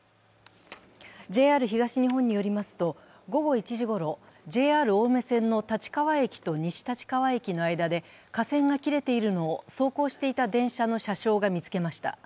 ＪＲ東日本によりますと、午後１時ごろ、ＪＲ青梅線の立川駅と西立川駅の間で架線が切れているのを走行していた電車の車掌が見つけました。